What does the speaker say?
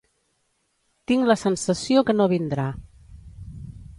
Tinc la sensació que no vindrà.